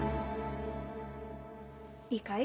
いいかい。